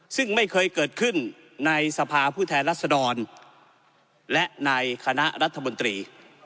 ซึ่งไม่เคยเกิดขึ้นในสภาผู้แทนรัศดรและในคณะรัฐมนตรี